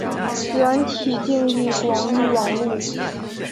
软体定义广域网路。